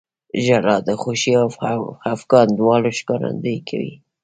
• ژړا د خوښۍ او خفګان دواړو ښکارندویي کوي.